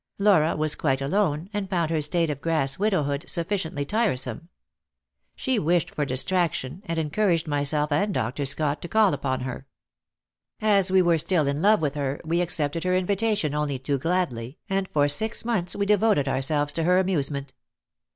Laura was quite alone, and found her state of grass widowhood sufficiently tiresome. She wished for distraction, and encouraged myself and Dr. Scott to call upon her. As we were still in love with her, we accepted her invitation only too gladly, and for six months we devoted ourselves to her amusement.